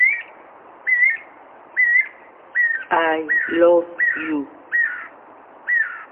Mousa Ali, the highest point in Djibouti is in the northern part.